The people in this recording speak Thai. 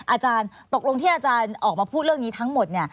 อาจารย์ตกลงที่อาจารย์ออกมาพูดเรื่องนี้ทั้งหมด